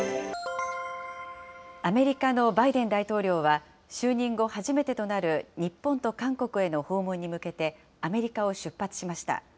アメリカのバイデン大統領は、就任後、初めてとなる日本と韓国への訪問に向けて、アメリカを出発しました。